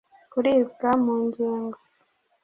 kuribwa mu ngingo